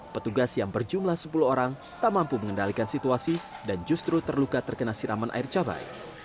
petugas yang berjumlah sepuluh orang tak mampu mengendalikan situasi dan justru terluka terkena siraman air cabai